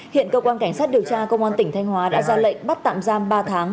hiện cơ quan cảnh sát điều tra công an tỉnh thanh hóa đã ra lệnh bắt tạm giam ba tháng